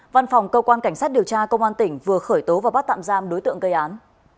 văn phòng cơ quan cảnh sát điều tra công an tỉnh vừa khởi tố và bắt tạm giam đối tượng gây án